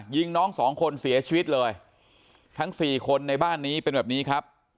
ยิงน้องสองคนเสียชีวิตเลยทั้งสี่คนในบ้านนี้เป็นแบบนี้ครับ